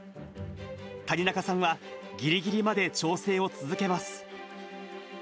谷中さんは、ぎりぎりまで調整を続けます。